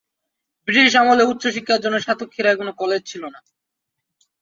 British আমলে উচ্চ শিক্ষার জন্য সাতক্ষীরায় কোন কলেজ ছিলনা।